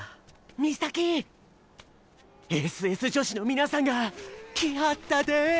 海咲ＳＳ女子の皆さんが来はったで。